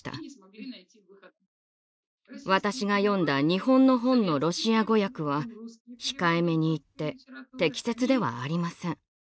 私が読んだ日本の本のロシア語訳は控えめに言って適切ではありません。